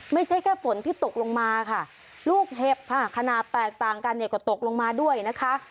ไม่ใช่แค่ฝนที่ตกลงมาค่ะลูกเห็บค่ะขนาดแตกต่างกันเนี่ยก็ตกลงมาด้วยนะคะ